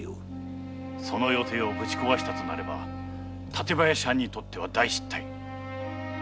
その予定をぶち壊したとなれば館林藩にとっては大失態。